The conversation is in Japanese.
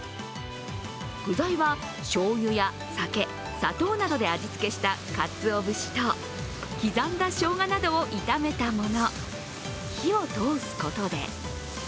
具材は、しょうゆや酒、砂糖などで味付けしたかつお節と、刻んだしょうがなどを炒めたもの。